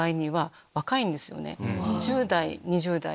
１０代２０代。